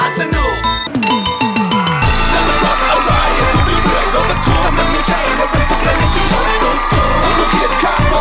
เสาร์วันนี้๖โมงเย็นทางไทยรัดทีวีช่อง๓๒นะครับ